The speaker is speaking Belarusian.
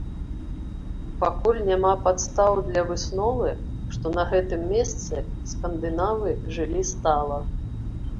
Пакуль няма падстаў для высновы, што на гэтым месцы скандынавы жылі стала.